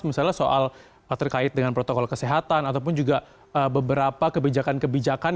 misalnya soal terkait dengan protokol kesehatan ataupun juga beberapa kebijakan kebijakan